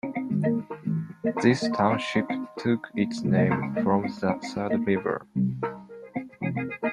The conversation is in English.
This township took its name from the Third River.